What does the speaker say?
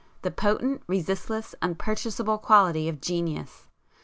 The potent, resistless, unpurchaseable quality of Genius!